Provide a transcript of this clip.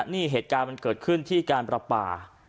นี่เหตุการณ์มันเกิดขึ้นที่การประปา